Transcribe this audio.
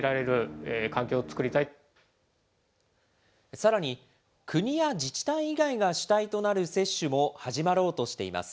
さらに、国や自治体以外が主体となる接種も始まろうとしています。